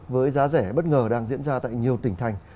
với giá rẻ bất ngờ đang diễn ra tại nhiều tỉnh thành